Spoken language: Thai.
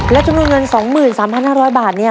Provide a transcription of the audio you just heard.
และจำนวนเงิน๒๓๕๐๐บาทเนี่ย